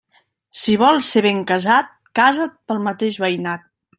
Si vols ser ben casat, casa't pel mateix veïnat.